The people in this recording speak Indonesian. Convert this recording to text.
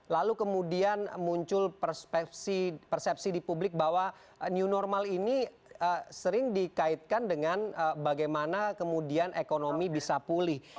lalu kemudian muncul persepsi di publik bahwa new normal ini sering dikaitkan dengan bagaimana kemudian ekonomi bisa pulih